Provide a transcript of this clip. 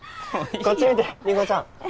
こっち見てりんごちゃん